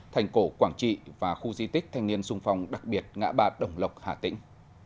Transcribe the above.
thành cổ quảng trị và khu di tích thanh niên sung phong đặc biệt ngã ba đồng lộc hà tĩnh